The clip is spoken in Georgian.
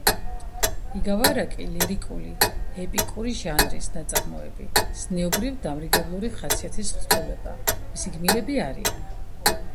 იგავ-არაკი — ლირიკულ-ეპიკური ჟანრის ნაწარმოები, ზნეობრივ-დამრიგებლური ხასიათის თხზულება. მისი გმირები არიან